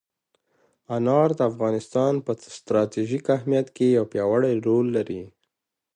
انار د افغانستان په ستراتیژیک اهمیت کې یو پیاوړی رول لري.